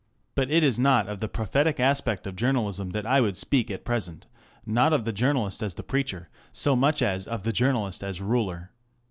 But it is not of the prophetic aspect of journalism that I would speak at present: not of the journalist as the preacher, so much as of the journalist as ruler.